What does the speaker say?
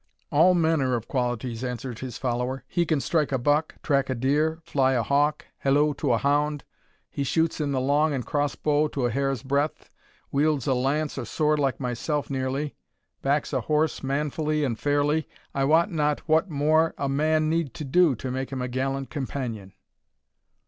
"All manner of qualities," answered his follower "he can strike a buck, track a deer, fly a hawk, halloo to a hound he shoots in the long and crossbow to a hair's breadth wields a lance or sword like myself nearly backs a horse manfully and fairly I wot not what more a man need to do to make him a gallant companion."